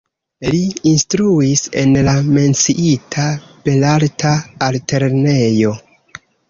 Li instruis en la menciita Belarta Altlernejo.